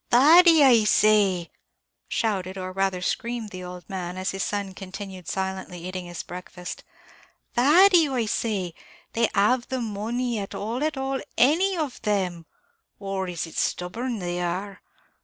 Thady, I say," shouted, or rather screamed, the old man, as his son continued silently eating his breakfast, "Thady, I say; have they the money, at all at all, any of them; or is it stubborn they are?